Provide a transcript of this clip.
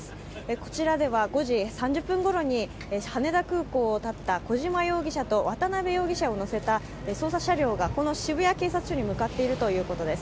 こちらでは５時３０分ごろに羽田空港をたった小島容疑者と渡辺容疑者を乗せた捜査車両がこの渋谷警察署に向かっているということです。